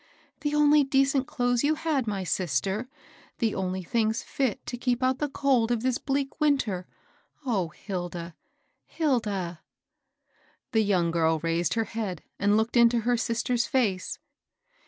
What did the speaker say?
— the only decent clothes you had, my sister I — the (mly things fit to keep out the cold of this bleak winter I — O Hflda 1 Hilda! *' The young girl raised her head and looked into her sister's &ce.